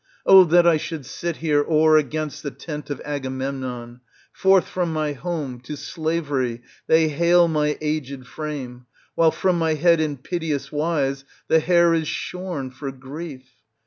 Oh that I should sit here o'er against the tent of Agamemnon ! Forth from my home to slavery they hale my aged frame, while from my head in piteous wise the hair is shorn for grief.